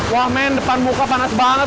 wah men depan muka panas banget